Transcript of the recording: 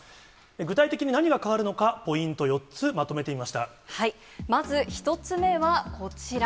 具体的に何が変わるのかポイントまず、１つ目はこちら。